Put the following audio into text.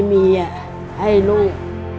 จ๊ะลูก